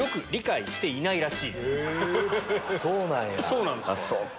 そうなんですか？